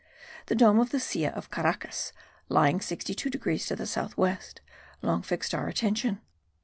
The dome of the Silla of Caracas, lying 62 degrees to the south west, long fixed our attention.